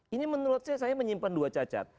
ini menurut saya saya menyimpan dua cacat